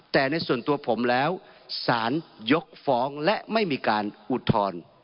แต่ในส่วนตัวผมแล้วสารยกฟ้องและไม่มีการอุทธรณ์